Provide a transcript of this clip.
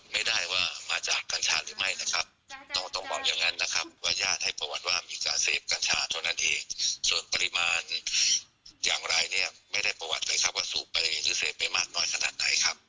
ไม่ได้ประวัติเลยครับว่าสูบประเด็นหรือเสพไปมากน้อยขนาดไหนครับ